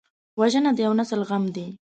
وژنه د یو نسل غم دی